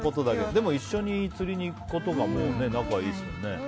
でも、一緒に釣りに行くことがもう仲いいですもんね。